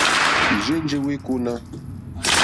Ì rzênjé wêkóná.